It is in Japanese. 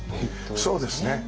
そうですね。